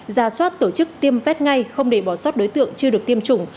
ra soát tổ chức tiêm vét ngay không để bỏ sót đối tượng chưa được tiêm chủng